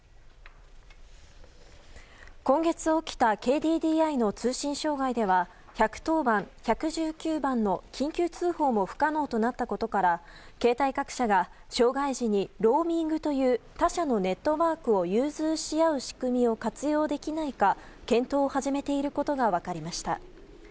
今月起きたＫＤＤＩの通信障害では１１０番、１１９番の緊急通報も不可能となったことから携帯各社が障害時にローミングという他社のネットワークを融通し合う仕組みを活用できないか検討を始めていることが分かりました。